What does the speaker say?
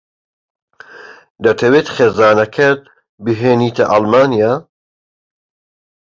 دەتەوێت خێزانەکەت بهێنیتە ئەڵمانیا؟